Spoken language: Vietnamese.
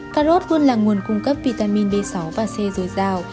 cà rốt luôn là nguồn cung cấp vitamin b sáu và c dồi dào